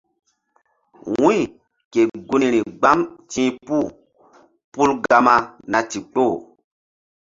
Wu̧y ke gunri gbam ti̧h puh pul Gama na ndikpoh.